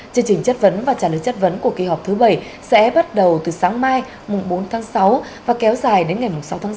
chương trình chất vấn và trả lời chất vấn của kỳ họp thứ bảy sẽ bắt đầu từ sáng mai bốn tháng sáu và kéo dài đến ngày sáu tháng sáu